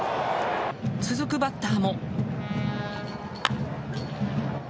続くバッターも。